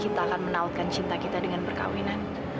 kita akan menautkan cinta kita dengan perkawinan